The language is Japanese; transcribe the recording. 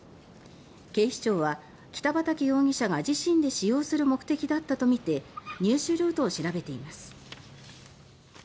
警視庁は北畠容疑者が自身で使用する目的だったとみて入手ルートを調べています。